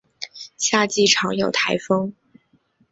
夏季常有台风。